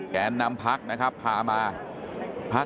แก่น้ำพักนะครับพามา